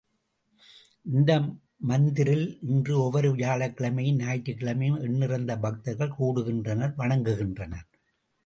இந்த மந்திரில் இன்று ஒவ்வொரு வியாழக்கிழமையும், ஞாயிற்றுகிழமையும் எண்ணிறந்த பக்தர்கள் கூடுகின்றனர் வணங்குகின்றனர்.